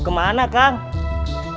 kamu aja yang handle